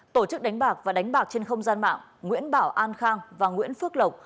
tổ chức đánh bạc và đánh bạc trên không gian mạng nguyễn bảo an khang và nguyễn phước lộc